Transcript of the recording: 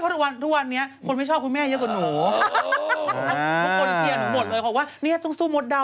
คนก็เชี่ยหนูหมดเลยบอกว่านี่ต้องสู้หมดดำนะ